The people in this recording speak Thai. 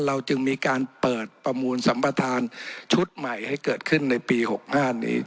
เราจึงมีการเปิดประมูลสัมประธานชุดใหม่ให้เกิดขึ้นในปี๖๕นี้